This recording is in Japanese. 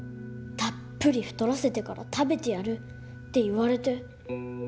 「たっぷり太らせてから食べてやる」って言われて。